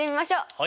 はい！